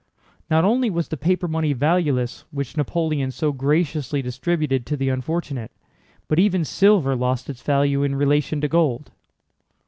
Not only was the paper money valueless which Napoleon so graciously distributed to the unfortunate, but even silver lost its value in relation to gold.